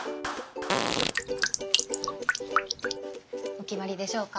お決まりでしょうか。